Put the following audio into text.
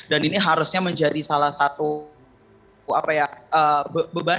dan ini harusnya menjadi salah satu beban